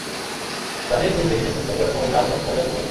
তাতে শুরু থেকে শেষ পর্যন্ত পুরোটা সময় জুড়ে আধিপত্য করে গেল কুমিল্লা।